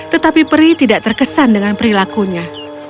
tetapi peri tidak terkesan dengan perilakunya